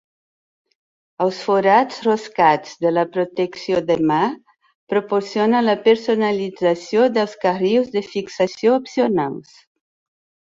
Els forats roscats de la protecció de mà proporcionen la personalització dels carrils de fixació opcionals.